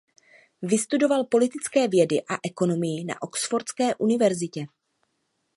Vystudoval politické vědy a ekonomii na Oxfordské univerzitě.